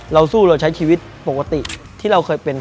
เราสู้เราใช้ชีวิตปกติที่เราเคยเป็น